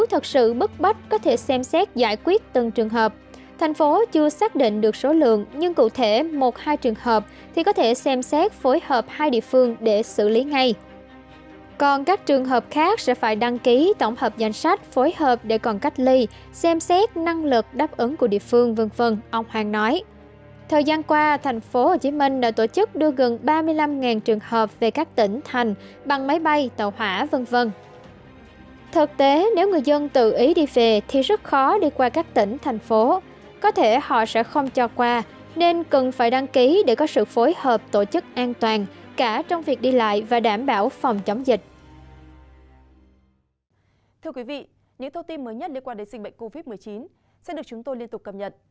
thưa quý vị những thông tin mới nhất liên quan đến sinh bệnh covid một mươi chín sẽ được chúng tôi liên tục cập nhật